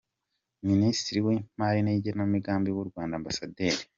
Minisitiri w’Imari n’Igenamigambi w’u Rwanda, Amb.